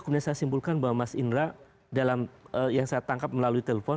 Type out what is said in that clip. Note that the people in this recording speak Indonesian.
kemudian saya simpulkan bahwa mas indra yang saya tangkap melalui telepon